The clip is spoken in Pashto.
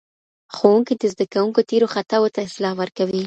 ښوونکی د زدهکوونکو تیرو خطاوو ته اصلاح ورکوي.